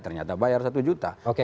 ternyata bayar satu juta